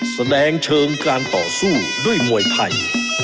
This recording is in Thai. แสดงเชิงการต่อสู้ด้วยมวยไทย